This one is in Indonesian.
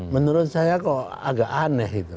menurut saya kok agak aneh itu